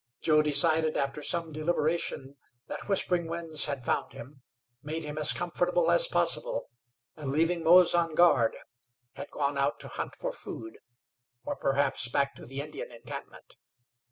Joe decided, after some deliberation, that Whispering Winds had found him, made him as comfortable as possible, and, leaving Mose on guard, had gone out to hunt for food, or perhaps back to the Indian encampment.